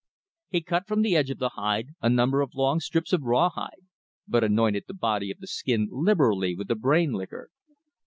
He cut from the edge of the hide a number of long strips of raw hide, but anointed the body of the skin liberally with the brain liquor.